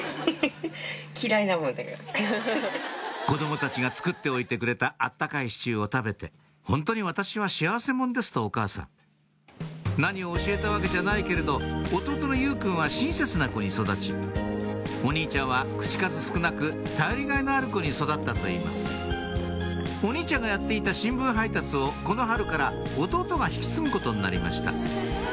子供たちが作っておいてくれたあったかいシチューを食べて「ホントに私は幸せ者です」とお母さん何を教えたわけじゃないけれど弟の祐君は親切な子に育ちお兄ちゃんは口数少なく頼りがいのある子に育ったといいますお兄ちゃんがやっていた新聞配達をこの春から弟が引き継ぐことになりました